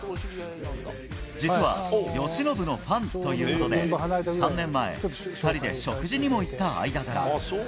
実は由伸のファンということで、３年前、２人で食事にも行った間柄。